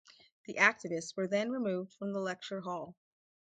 The activists were then removed from the lecture hall.